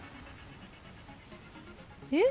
えっ？